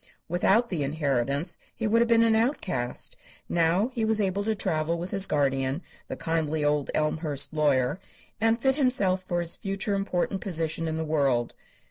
Without the inheritance he would have been an outcast; now he was able to travel with his guardian, the kindly old Elmhurst lawyer, and fit himself for his future important position in the world.